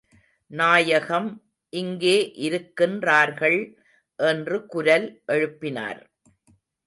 நாயகம் இங்கே இருக்கின்றார்கள் என்று குரல் எழுப்பினார்.